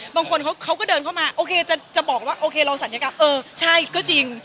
บางคนเขาก็เดินเข้ามาโอเคจะบอกว่าโอเคเราศัลยกรรมเออใช่ก็จริง